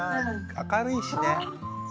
明るいしね。